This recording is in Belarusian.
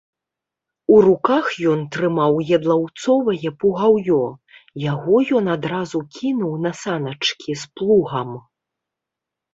У руках ён трымаў ядлаўцовае пугаўё, яго ён адразу кінуў на саначкі з плугам.